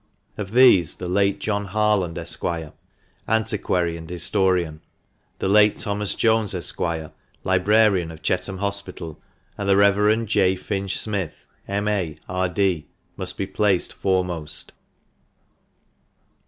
Of these the late John Harland, Esq , antiquary and historian; the late Thomas Jones, Esq., librarian of Chetham Hospital; and the Rev. J. Finch Smith, M.A., R.D., must be placed foremost.